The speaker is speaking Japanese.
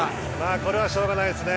これはしょうがないですね。